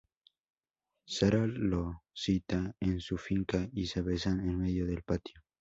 Sara lo cita en su finca y se besan en medio del patio.